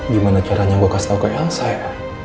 gimana caranya gue kasih tau ke yansa ya